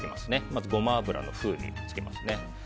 まず、ゴマ油の風味をつけますね。